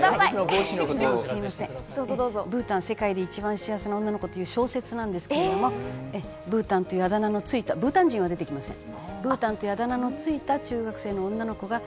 『ブータン、世界でいちばん幸せな女の子』という小説なんですけども、ブータンというあだ名のブータン人は出てきません。